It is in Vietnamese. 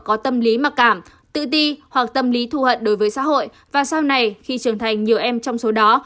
có tâm lý mặc cảm tự ti hoặc tâm lý thu hận đối với xã hội và sau này khi trưởng thành nhiều em trong số đó